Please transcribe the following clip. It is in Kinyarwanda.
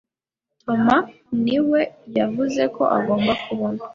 Toma niwe yavuzeko agomba kubona